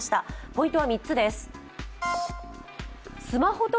ポイントは３つです。